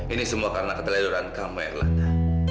ini semua karena keteledoran kamu erlanda